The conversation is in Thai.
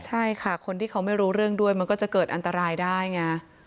ใช่ค่ะคนที่เขาไม่รู้เรื่องด้วยมันก็จะเกิดอันตรายได้ไง